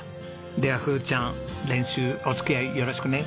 ではふーちゃん練習お付き合いよろしくね。